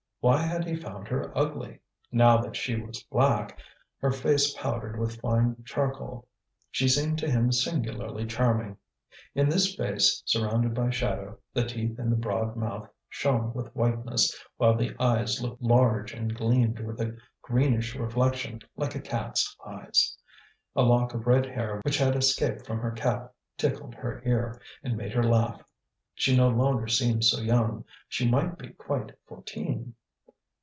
Why had he found her ugly? Now that she was black, her face powdered with fine charcoal, she seemed to him singularly charming. In this face surrounded by shadow, the teeth in the broad mouth shone with whiteness, while the eyes looked large and gleamed with a greenish reflection, like a cat's eyes. A lock of red hair which had escaped from her cap tickled her ear and made her laugh. She no longer seemed so young, she might be quite fourteen.